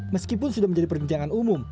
meskipun sudah menjadi perbincangan umum